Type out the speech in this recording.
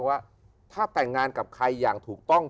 ว่าถ้าแต่งงานกับใครอย่างถูกต้อง